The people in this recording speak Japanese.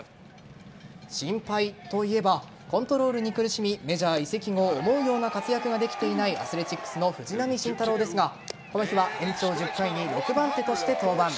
心配といえばコントロールに苦しみメジャー移籍後思うような活躍ができていないアスレチックスの藤浪晋太郎ですがこの日は延長１０回に６番手として登板。